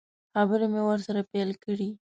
خبرې مې ورسره پیل کړې.